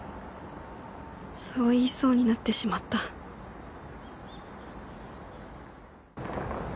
そう言いそうになってしまった田。